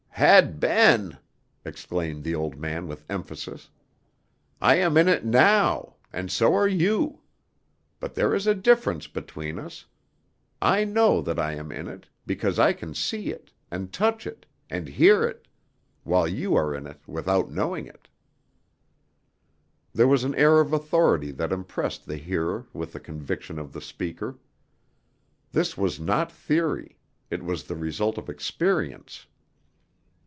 "Had been!" exclaimed the old man with emphasis. "_I am in it now, and so are you. But there is a difference between us; I know that I am in it, because I can see it, and touch it, and hear it; while you are in it without knowing it_." There was an air of authority that impressed the hearer with the conviction of the speaker. This was not theory; it was the result of experience.